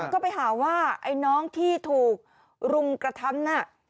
ก็ไปหาว่าไอ้น้องที่ถูกรุมกระทำน่ะ